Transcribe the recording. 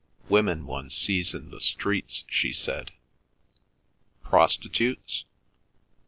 "Women one sees in the streets," she said. "Prostitutes?"